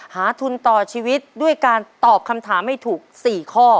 ทุนต่อชีวิตด้วยการตอบคำถามให้ถูก๔ข้อ